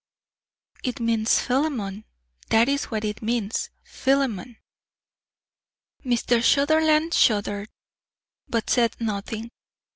"It means Philemon; that is what it means Philemon." Mr. Sutherland shuddered, but said nothing.